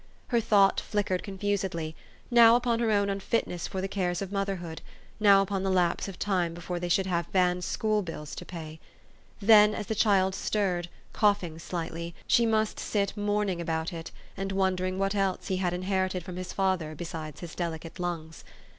Her thought flickered con fusedly, now upon her own unfitness for the cares of motherhood, now upon the lapse of time before they should have Van's school bills to pay. Then as the 326 THE STORY OF AVIS. child stirred, coughing slightty, she must sit mourn ing about it, and wondering what else he had inher ited from his father besides his delicate lungs.